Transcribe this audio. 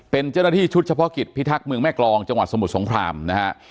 เป็นเจ้าหน้าที่ชุดเฉพาะกิจพิทักษ์เมืองแม่กรองจังหวัดสมุทรสงครามนะฮะ